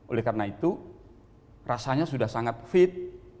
oleh karena itu rasanya sudah sangat fit